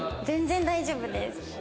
全然大丈夫です。